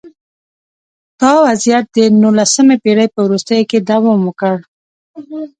دا وضعیت د نولسمې پېړۍ په وروستیو کې دوام وکړ